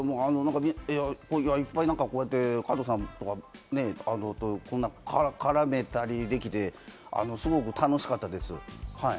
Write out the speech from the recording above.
いっぱいこうやって加藤さんとか絡めたりできて、すごく楽しかったです。